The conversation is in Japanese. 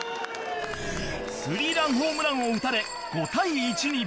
３ランホームランを打たれ５対１に